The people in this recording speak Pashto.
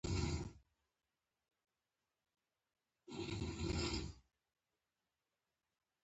د هندوستان په پلازمېنه